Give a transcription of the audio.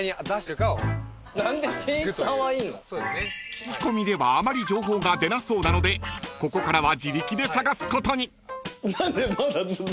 ［聞き込みではあまり情報が出なそうなのでここからは］